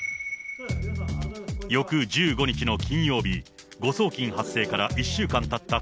翌１５日の金曜日、誤送金発生から１週間たった